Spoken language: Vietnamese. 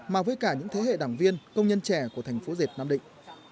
mà với cả những thế hệ đảng viên công nhân trẻ của thành phố dệp nam định